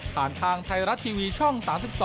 ผ่านทางไทยรัตน์ทีวีช่อง๓๒